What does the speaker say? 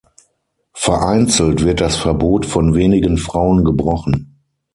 Vereinzelt wird das Verbot von wenigen Frauen gebrochen.